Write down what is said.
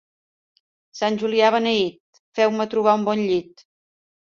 Sant Julià beneït, feu-me trobar un bon llit.